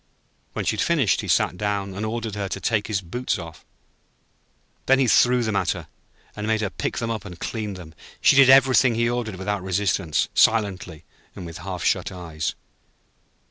When she had finished, he sat down and ordered her to take his boots off. Then he threw them at her, and made her pick them up and clean them. She did everything he ordered without resistance, silently, and with half shut eyes.